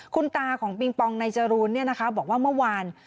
คุณตาของปิ่งปองนายจรู๋บอกว่า